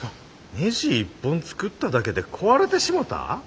ねじ１本作っただけで壊れてしもた？